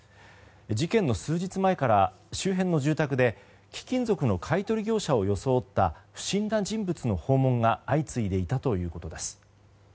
事件の数日前から周辺の住宅で貴金属の買い取り業者を装った不審な人物の訪問が相次いでいたということです。